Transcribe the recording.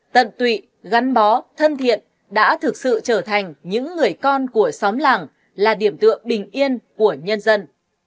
tận tụy gắn bó thân thiện đã thực sự trở thành những người con của xóm làng là điểm tượng bình yên của nhân dân